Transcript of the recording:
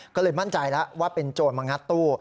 ก็เลยมั่นใจแล้วว่าเป็นโจรมางัดตู้